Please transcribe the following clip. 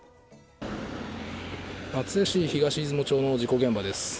松江市東出雲町の事故現場です。